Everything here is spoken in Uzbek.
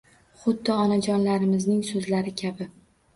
Xuddi onajonlarimizning so‘zlari kabi